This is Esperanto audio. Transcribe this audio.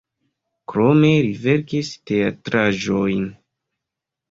Krome li verkis teatraĵojn.